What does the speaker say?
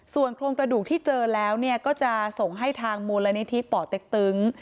ส่วนโครงกระดูกที่เจอแล้วก็จะส่งให้ทางมูลนิธิป่อเต็กตึง